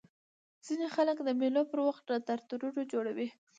ځيني خلک د مېلو پر وخت نندارتونونه جوړوي.